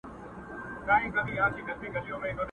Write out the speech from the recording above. قهر د شینکي اسمان ګوره چي لا څه کیږي!.